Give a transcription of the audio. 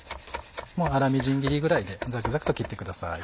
粗みじん切りぐらいでざくざくと切ってください。